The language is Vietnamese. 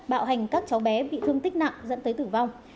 bạo hành các cháu bé bị thương tích nặng dẫn tới tử vong